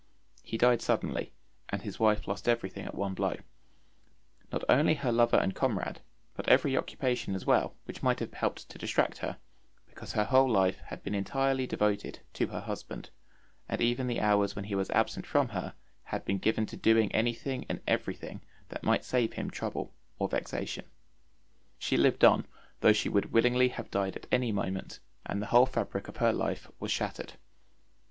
He died suddenly, and his wife lost everything at one blow; not only her lover and comrade, but every occupation as well which might have helped to distract her, because her whole life had been entirely devoted to her husband; and even the hours when he was absent from her had been given to doing anything and everything that might save him trouble or vexation. She lived on, though she would willingly have died at any moment, and the whole fabric of her life was shattered.